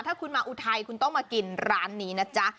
ถ้าคุณมาอุทัยคุณต้องมากินร้านนี้นะจ๊ะ